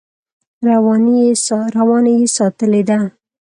رواني یې ساتلې ده.